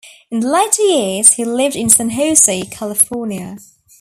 In later years, he lived in San Jose, California.